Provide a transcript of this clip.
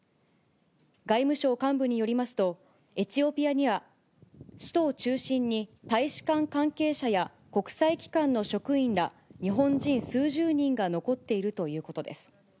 外務省幹部によりますと、エチオピアには、首都を中心に、大使館関係者や国際機関の職員ら、日本人数十人が残っているということです。